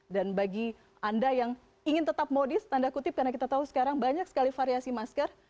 dan bagi anda yang ingin tetap modis tanda kutip karena kita tahu sekarang banyak sekali variasi masker